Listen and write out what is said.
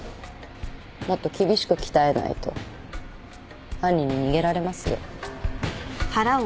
もっと厳しく鍛えないと犯人に逃げられますよ。